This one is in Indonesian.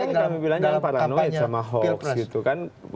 makanya kami bilang jangan paranoid sama hoax gitu kan